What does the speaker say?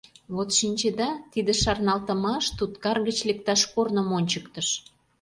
Вот, шинчеда, тиде шарналтымаш туткар гыч лекташ корным ончыктыш.